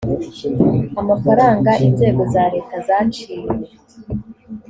amafaranga inzego za leta zaciwe